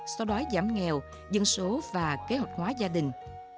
sau đói giảm nghèo dân số và kế hoạch hóa gia đình